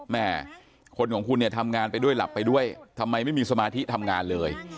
แม่คนของคุณเนี่ยทำงานไปด้วยหลับไปด้วยทำไมไม่มีสมาธิทำงานเลย